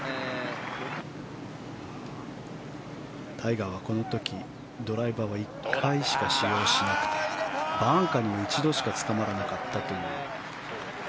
タイガーはこの時ドライバーは１回しか使用しなくてバンカーにも一度しかつかまらなかったという。